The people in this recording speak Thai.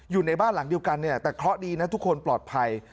อยู่ในบ้านหลังเดียวกันเนี่ยแต่เคราะห์ดีนะทุกคนปลอดภัย